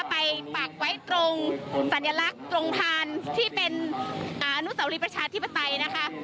ไปปักไว้ตรงสัญลักษณ์ตรงทานที่เป็นอนุสาวรีประชาธิปไตยนะคะ